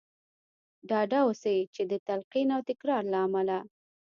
ډاډه اوسئ چې د تلقين او تکرار له امله.